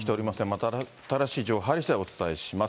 また新しい情報入りしだい、お伝えします。